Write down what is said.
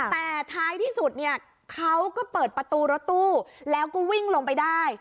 แต่ท้ายที่สุดเนี่ยเขาก็เปิดประตูรถตู้แล้วก็วิ่งลงไปได้